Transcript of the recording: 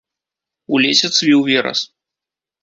У лесе цвіў верас.